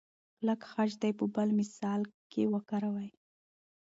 کلک خج دې په بل مثال کې وکاروئ.